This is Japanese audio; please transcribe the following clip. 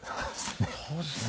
そうですね。